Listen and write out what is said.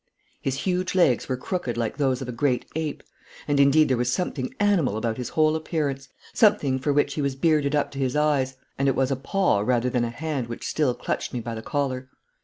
His huge legs were crooked like those of a great ape; and, indeed, there was something animal about his whole appearance, something for he was bearded up to his eyes, and it was a paw rather than a hand which still clutched me by the collar.